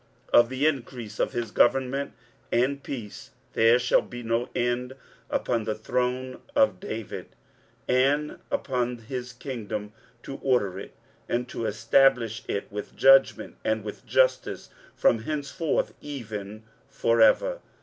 23:009:007 Of the increase of his government and peace there shall be no end, upon the throne of David, and upon his kingdom, to order it, and to establish it with judgment and with justice from henceforth even for ever.